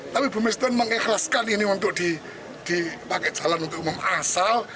tapi bumistun mengeklaskan ini untuk dipakai jalan untuk umum asal